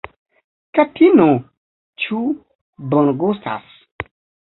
Katino ĉu bongustas?